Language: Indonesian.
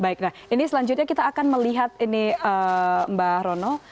ini selanjutnya kita akan melihat mbak rono